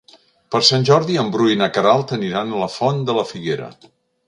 Per Sant Jordi en Bru i na Queralt aniran a la Font de la Figuera.